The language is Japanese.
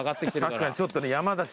確かにちょっとね山だし。